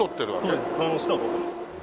そうです川の下を通ってます。